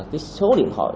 cái số điện thoại